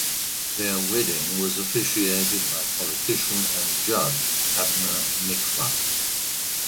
Their wedding was officiated by politician and Judge Abner Mikva.